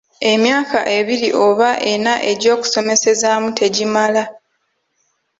Emyaka ebiri oba enna egy’okusomeseezaamu tegimala.